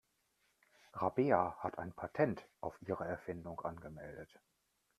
Rabea hat ein Patent auf ihre Erfindung angemeldet.